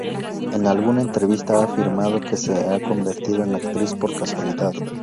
En alguna entrevista ha afirmado que se ha convertido en actriz por casualidad.